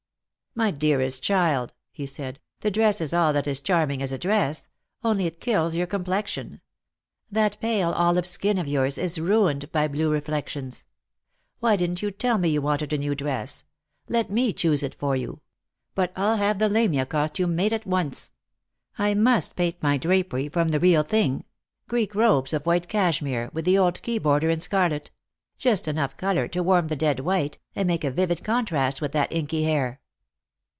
" My dearest child," he said, " the dress is all that is charm ing as a dress. Only it kills your complexion. That pale olive skin of yours is ruined by blue reflections. Why didn't you tell me you wanted a new dress ? Let me choose it for you. But I'll have the Lamia costume made at once. I must paint my drapery from the real thing — Greek robes of white cashmere, with the old key border in scarlet ; just enough colour to warm the dead white, and make a vivid contrast with that inky hair."